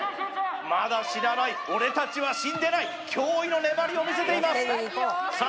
まだ死なない俺たちは死んでない驚異の粘りを見せていますさあ